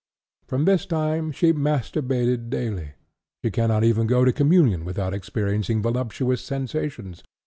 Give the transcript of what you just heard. From this time she masturbated daily. She cannot even go to communion without experiencing voluptuous sensations.